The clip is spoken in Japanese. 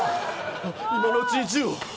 今のうちに銃を。